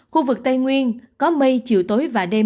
khu vực tây nguyên có mây chiều tối và đêm